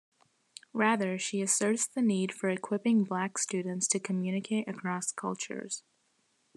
Rather, she asserts the need for equipping black students to communicate across cultures.